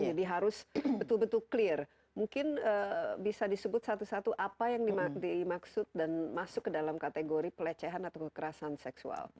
jadi harus betul betul clear mungkin bisa disebut satu satu apa yang dimaksud dan masuk ke dalam kategori pelecehan atau kekerasan seksual